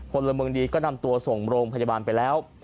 พลเมืองดีก็นำตัวส่งโรงพยาบาลไปแล้ว